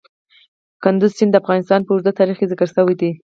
کندز سیند د افغانستان په اوږده تاریخ کې ذکر شوی دی.